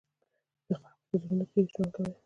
د خلقو پۀ زړونو کښې ژوند کوي،